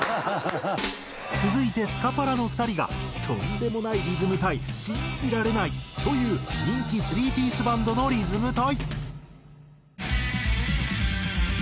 続いてスカパラの２人が「とんでもないリズム隊信じられない！！」と言う人気３ピースバンドのリズム隊。